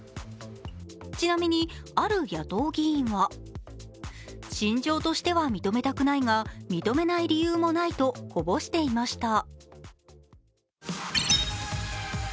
ちなみに、ある野党議員は心情としては認めたくないが認めない理由もないとこぼしていました。